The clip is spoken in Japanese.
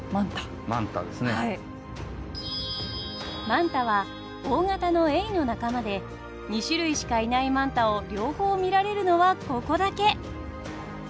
マンタは大型のエイの仲間で２種類しかいないマンタを両方見られるのはここだけ！